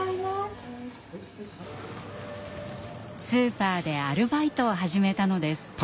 スーパーでアルバイトを始めたのです。